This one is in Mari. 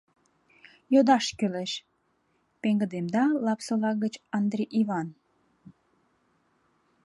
— Йодаш кӱлеш! — пеҥгыдемда Лапсола гыч Андри Иван.